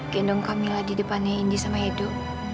gendong kak mila di depannya indi sama edo